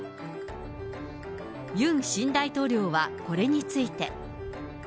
ユン新大統領はこれについて。